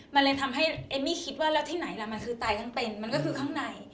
มันเลยทำให้เอมมี่คิดว่าแล้วที่ไหนล่ะมันคือตายทั้งเป็นมันก็คือข้างใน